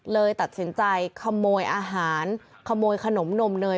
เลยตัดสินใจขโมยอาหารขโมยขนมนมเนย